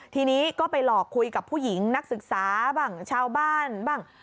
ทีนี้ก็ไปหลอกคุยกับผู้หญิงนักศึกษาบ้างชาวบ้านบ้าง